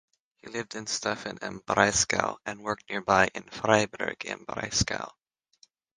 He lived in Staufen im Breisgau and worked nearby in Freiburg im Breisgau.